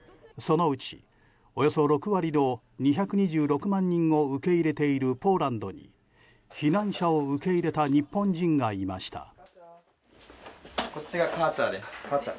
そのうち、およそ６割の２２６万人を受け入れているポーランドに避難者を受け入れた日本人がいました。